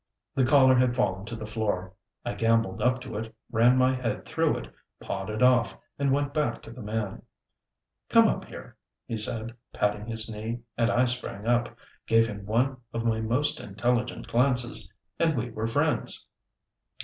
The collar had fallen to the floor. I gambolled up to it, ran my head through it, pawed it off, and went back to the man. "Come up here," he said patting his knee, and I sprang up, gave him one of my most intelligent glances, and we were friends.